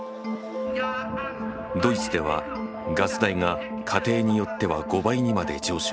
ドイツではガス代が家庭によっては５倍にまで上昇。